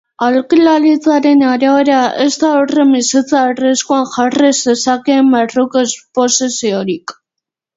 Aholkularitzaren arabera, ez da haurren bizitza arriskuan jarri zezakeen barruko esposiziorik.